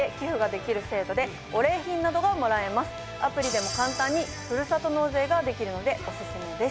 アプリでも簡単にふるさと納税ができるのでオススメです。